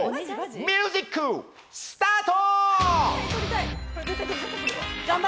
ミュージック、スタート！